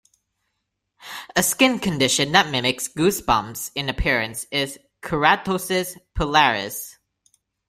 A skin condition that mimics goose bumps in appearance is keratosis pilaris.